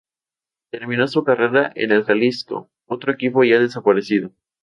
Terminó su carrera en el Jalisco, otro equipo ya desaparecido.